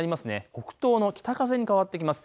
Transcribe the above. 北東の北風に変わってきます。